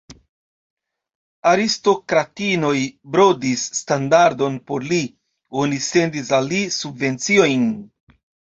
Aristokratinoj brodis standardon por li; oni sendis al li subvenciojn.